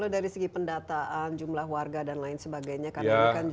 kalau dari segi pendataan jumlah warga dan lain sebagainya